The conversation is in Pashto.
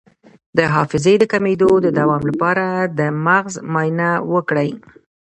د حافظې د کمیدو د دوام لپاره د مغز معاینه وکړئ